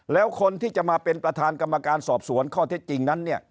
แล้วคนที่จะมาเป็นประธานกรรมการสอบสวนข้อเท็จจริงนั้นเนี่ย